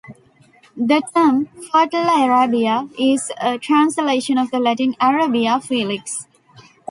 The term "Fertile Arabia" is a translation of the Latin "Arabia felix.